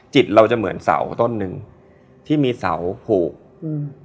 เราจะเหมือนเสาต้นหนึ่งที่มีเสาผูกอืม